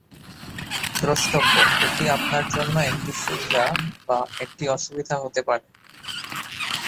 দ্রষ্টব্য: এটি আপনার জন্য একটি সুবিধা বা একটি অসুবিধা হতে পারে।